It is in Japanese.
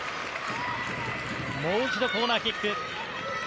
もう一度、コーナーキック。